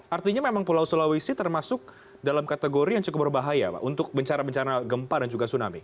artinya memang pulau sulawesi termasuk dalam kategori yang cukup berbahaya pak untuk bencana bencana gempa dan juga tsunami